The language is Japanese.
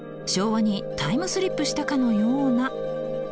昭和にタイムスリップしたかのような。